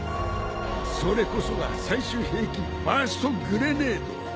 それこそが最終兵器バーストグレネード。